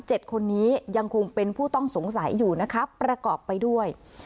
คนนี้ยังคงเป็นผู้ต้องสงสัยอยู่นะคะประกอบไปด้วย